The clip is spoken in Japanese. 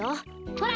ほら。